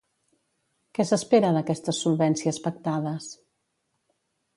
Què s'espera d'aquestes solvències pactades?